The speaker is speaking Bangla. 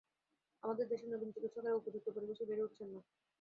আমাদের দেশে নবীন চিকিৎসকেরা উপযুক্ত পরিবেশে বেড়ে উঠছেন না।